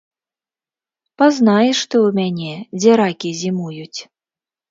Пазнаеш ты ў мяне, дзе ракі зімуюць!